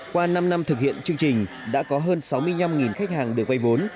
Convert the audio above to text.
qua năm năm thực hiện chương trình đã có hơn sáu mươi năm khách hàng được vay vốn